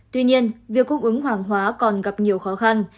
tuy nhiên việc cung ứng hàng hóa còn gặp nhiều khó khăn